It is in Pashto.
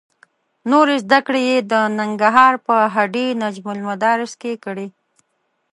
نورې زده کړې یې د ننګرهار په هډې نجم المدارس کې کړې.